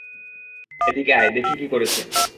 এদিকে আয়, দেখি কী করেছে?